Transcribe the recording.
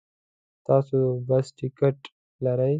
تاسو د بس ټکټ لرئ؟